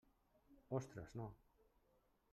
Ostres, no!